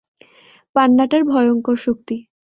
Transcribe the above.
পান্নাটার ভয়ঙ্কর শক্তি।